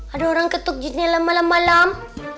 ada orang ketuk jurnalnya lama lama malam